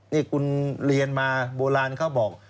นี่คุณเรียนมาโบราณเขาบอก